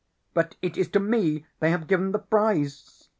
"But it is to me they have given the prize.